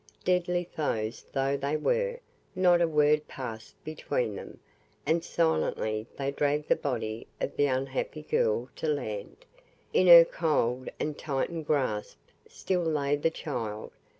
Deadly foes though they were, not a word passed between them, and silently they dragged the body of the unhappy girl to land. In her cold and tightened grasp still lay the child.